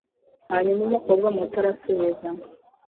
Hanyuma umukobwa muto arasubiza